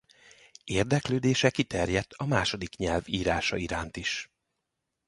Érdeklődése kiterjed a második nyelv írása iránt is.